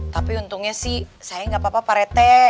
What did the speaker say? tapi untungnya sih saya gak apa apa pak rete